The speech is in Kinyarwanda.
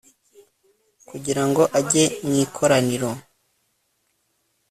kugira ngo ajye mu ikoraniro